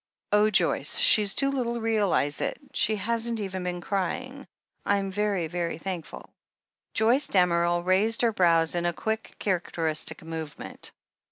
Oh, Joyce, she's too little to realize it — she hasn't even been crying. I'm very, very thankful." Joyce Damerel raised her brows in a quick, char acteristic movement.